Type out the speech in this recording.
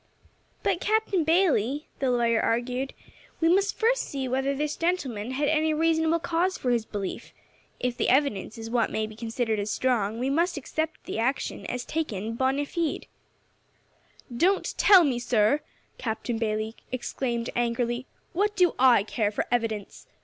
"But, Captain Bayley," the lawyer urged, "we must first see whether this gentleman had any reasonable cause for his belief. If the evidence is what may be considered as strong, we must accept his action as taken bonâ fide." "Don't tell me, sir," Captain Bayley exclaimed angrily. "What do I care for evidence?